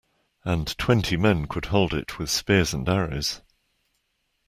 And twenty men could hold it with spears and arrows.